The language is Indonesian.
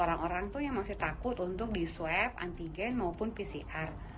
orang orang itu yang masih takut untuk diswab antigen maupun pcr